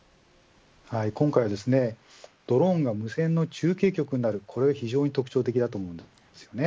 今回はドローンが無線中継局になるこれは非常に特徴的だと思います。